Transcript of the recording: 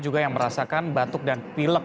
juga yang merasakan batuk dan pilek